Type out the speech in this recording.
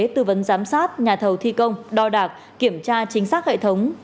tư vấn giám sát nhà thầu thi công đo đạc kiểm tra chính xác hệ thống